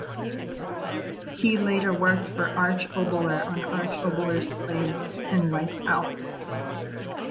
He later worked for Arch Oboler on "Arch Oboler's Plays" and "Lights Out".